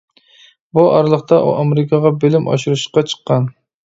بۇ ئارىلىقتا ئۇ ئامېرىكىغا بىلىم ئاشۇرۇشقا چىققان.